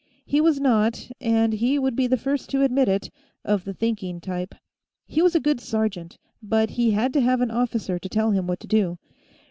He was not, and he would be the first to admit it, of the thinking type. He was a good sergeant, but he had to have an officer to tell him what to do.